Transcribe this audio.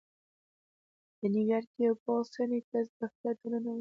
په نيويارک کې يو پوخ سنی کس دفتر ته ننوت.